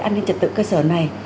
an ninh trật tự cơ sở này